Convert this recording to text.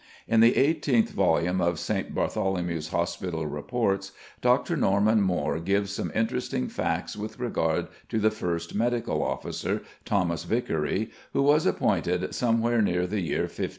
In the eighteenth volume of St. Bartholomew's Hospital Reports Dr. Norman Moore gives some interesting facts with regard to the first medical officer, Thomas Vicary, who was appointed somewhere near the year 1550.